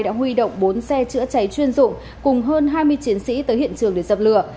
đã huy động bốn xe chữa cháy chuyên dụng cùng hơn hai mươi chiến sĩ tới hiện trường để dập lửa